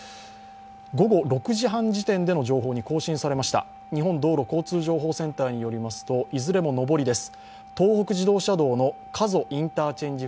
午後６時半時点での情報に更新されました、日本道路交通情報センターによりますと、いずれも上りです。